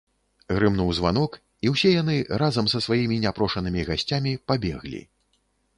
Грымнуў званок, і ўсе яны, разам са сваімі няпрошанымі гасцямі, пабеглі.